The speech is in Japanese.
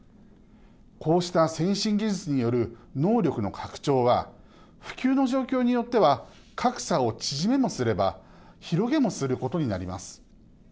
こうした先進技術による能力の拡張は普及の状況によっては格差を縮めもすれば広げもすることになります。